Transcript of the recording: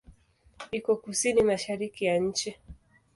Iko kusini-mashariki ya nchi.